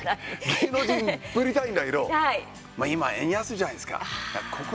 芸能人ぶりたいんだけど、今、円安じゃないですか。